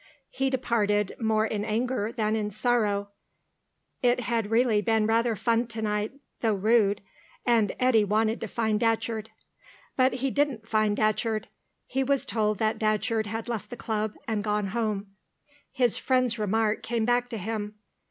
He departed, more in anger than in sorrow (it had really been rather fun to night, though rude) and Eddy went to find Datcherd. But he didn't find Datcherd. He was told that Datcherd had left the Club and gone home. His friend's remark came back to him.